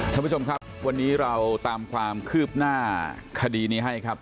ท่านผู้ชมครับวันนี้เราตามความคืบหน้าคดีนี้ให้ครับ